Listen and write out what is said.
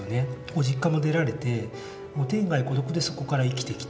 ご実家も出られて天涯孤独でそこから生きてきたと。